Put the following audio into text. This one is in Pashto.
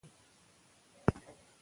ایا جټان هم د مرهټیانو په ائتلاف کې وو؟